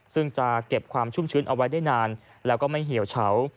ซึ่งจะเก็บความชุ่มชื้นเอาไว้ได้นานแล้วก็ไม่เหี่ยวเฉา